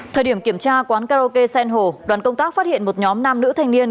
thời điểm kiểm tra quán karaoke sen hồ đoàn công tác phát hiện một nhóm nam nữ thanh niên